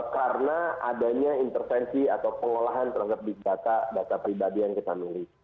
karena adanya intervensi atau pengolahan terhadap big data data pribadi yang kita miliki